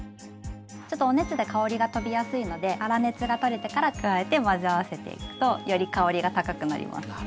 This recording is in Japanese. ちょっとお熱で香りがとびやすいので粗熱が取れてから加えて混ぜ合わせていくとより香りが高くなります。